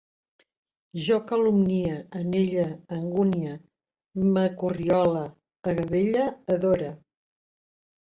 Jo calumnie, anelle, angunie, m'acorriole, agavelle, adore